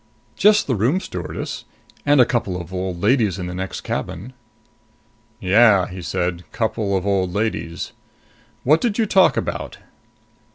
"Just the room stewardess. And a couple of old ladies in the next cabin." "Yeah," he said. "Couple of old ladies. What did you talk about?"